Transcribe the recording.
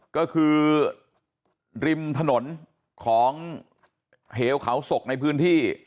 ก็คือริมถนนของเหวเขาศกในพื้นที่